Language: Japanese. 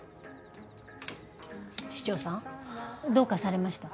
師長さんどうかされました？